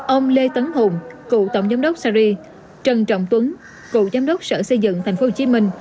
ông lê tấn hùng cựu tổng giám đốc sari trần trọng tuấn cựu giám đốc sở xây dựng tp hcm